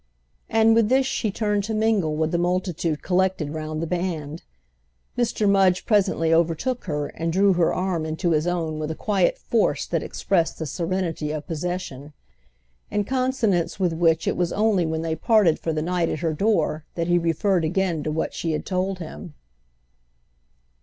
—and with this she turned to mingle with the multitude collected round the band. Mr. Mudge presently overtook her and drew her arm into his own with a quiet force that expressed the serenity of possession; in consonance with which it was only when they parted for the night at her door that he referred again to what she had told him.